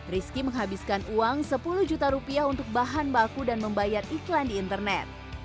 rizky menghabiskan uang sepuluh juta rupiah untuk bahan baku dan membayar iklan di internet